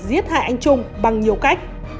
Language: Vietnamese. giết hại anh trung bằng nhiều cách